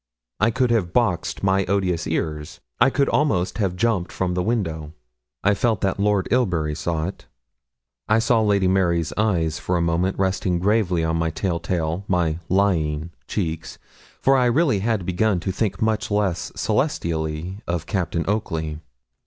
I could have boxed my odious ears. I could almost have jumped from the window. I felt that Lord Ilbury saw it. I saw Lady Mary's eyes for a moment resting gravely on my tell tale my lying cheeks for I really had begun to think much less celestially of Captain Oakley.